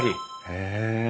へえ。